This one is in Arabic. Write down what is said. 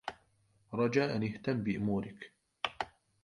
رجاء اهتم بأمورك.